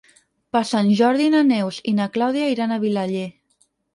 Per Sant Jordi na Neus i na Clàudia iran a Vilaller.